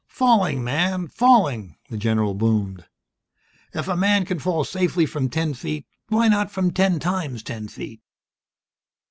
"Falling, man, falling!" the general boomed. "If a man can fall safely from ten feet Why not from ten times ten feet!?"